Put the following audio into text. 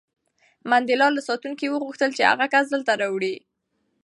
منډېلا له ساتونکي وغوښتل چې هغه کس دلته راولي.